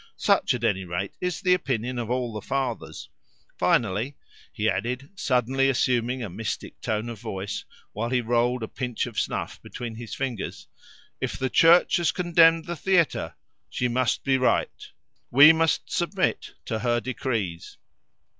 Such, at any rate, is the opinion of all the Fathers. Finally," he added, suddenly assuming a mystic tone of voice while he rolled a pinch of snuff between his fingers, "if the Church has condemned the theatre, she must be right; we must submit to her decrees."